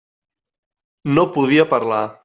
No podia parlar.